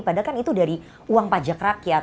padahal kan itu dari uang pajak rakyat